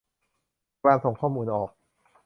การส่งข้อมูลออก